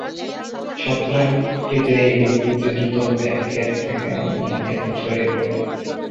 ছত্রাক ঘটিত এই রোগ অতি দ্রুত এক ক্ষেত থেকে অন্য ক্ষেতে ছড়িয়ে পড়ে।